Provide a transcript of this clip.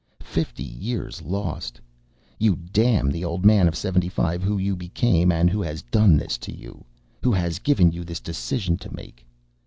Fifty years lost. You damn the old man of seventy five whom you became and who has done this to you ... who has given you this decision to make.